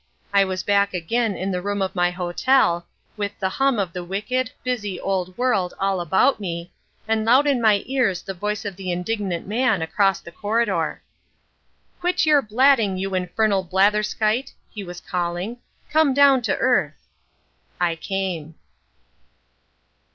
I was back again in the room of my hotel, with the hum of the wicked, busy old world all about me, and loud in my ears the voice of the indignant man across the corridor. "Quit your blatting, you infernal blatherskite," he was calling. "Come down to earth." I came.